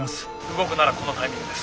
動くならこのタイミングです。